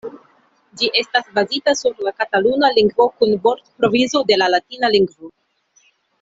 Ĝi estas bazita sur la kataluna lingvo kun vortprovizo de la latina lingvo.